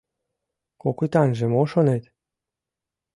— «Кокытанже» мо шонет?